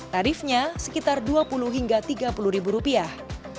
tarifnya sekitar dua puluh hingga tiga puluh ribu rupiah